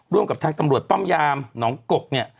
ร่วมกับทางตำรวจป้อมยามหนองกก